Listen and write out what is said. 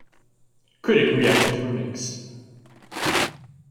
Critic reactions were mixed.